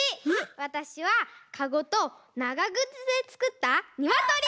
わたしはかごとながぐつでつくったニワトリ！